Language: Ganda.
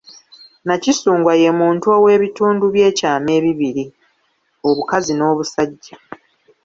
Nakisungwa ye muntu ow’ebItundu by’ekyama ebibiri, obukazi n’obusajja.